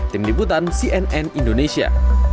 tim liputan cnn indonesia